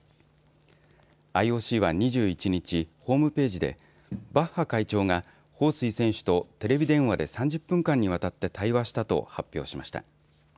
ＩＯＣは２１日、ホームページでバッハ会長が彭帥選手とテレビ電話で３０分間にわたって対話したと発表しました。